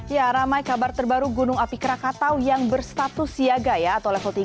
ya ramai kabar terbaru gunung api krakatau yang berstatus siaga ya atau level tiga